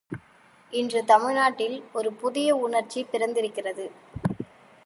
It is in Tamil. இன்று தமிழ்நாட்டில் ஒரு புதிய உணர்ச்சி பிறந்திருக்கிறது.